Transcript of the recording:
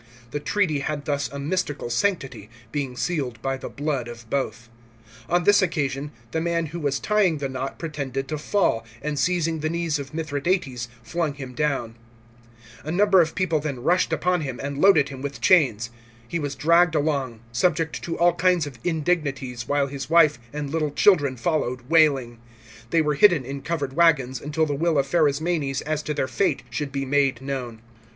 The treaty had thus a mystical sanctity, being sealed by the blood of both. On this occasion, the man who was tying the knot pretended to fall, * Holding the rank probably of prefect of a cohort. 310 THE WARS FOR ARMENIA. , CHAP, xvm, and seizing the knees of Mithradates flung him down. A number of people then rushed upon him, and loaded him with chains. He was dragged along, subject to all kinds of indignities, while his wife and little children followed waiting. They were hidden in covered waggons, until the will of Pharasmanes as to their fate should be made known.